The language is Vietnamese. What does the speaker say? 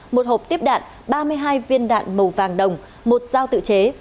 một hộp tiếp đạn ba mươi hai viên đạn màu vàng đồng một dao tự chế